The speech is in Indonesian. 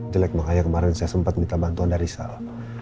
jelek makanya kemarin saya sempat minta bantuan dari salam